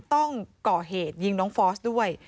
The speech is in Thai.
ต้องก่อเหตุยิงน้องฟอสด้วย